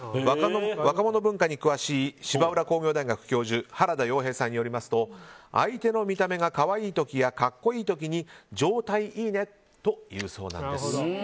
若者文化に詳しい芝浦工業大学教授原田曜平さんによりますと相手の見た目が可愛い時や格好いい時に状態いいねと言うそうなんです。